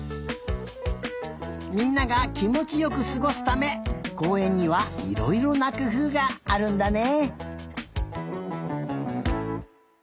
みんながきもちよくすごすためこうえんにはいろいろなくふうがあるんだね。